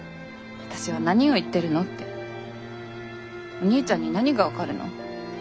「お兄ちゃんに何が分かるの？